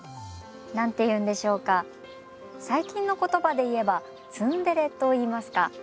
何て言うんでしょうか最近の言葉で言えばツンデレといいますか。